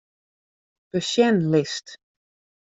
Besjenlist.